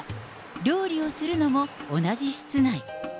料理をするのも同じ室内。